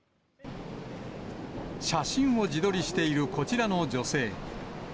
写真を自撮りしているこちらの女性。